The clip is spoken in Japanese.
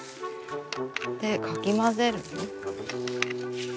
でかき混ぜる。